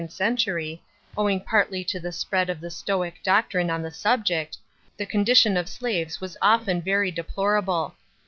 d century, owing partly to t' e spnadm of the Stoic il<»ctrineon tlie su'ject, tlie condition of slaves was o 'en very deplorable.